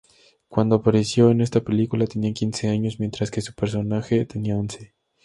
Cuando apareció en esta película, tenía quince años mientras que su personaje tenía once.